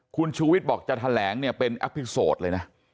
คุณชูวิทย์บอกจะแถลงเนี่ยเป็นแอปพลิโซดเลยนะ